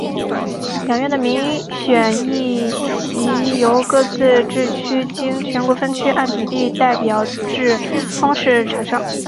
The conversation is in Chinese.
两院的民选议席由各自治区经全国分区按比例代表制方式产生。